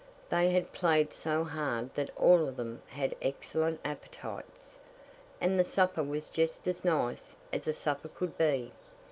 They had played so hard that all of them had excellent appetites, and the supper was just as nice as a supper could be.